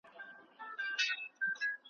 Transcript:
د راډیو په تالار کي ,